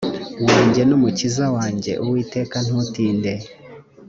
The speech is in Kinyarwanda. wanjye n umukiza wanjye uwiteka ntutinde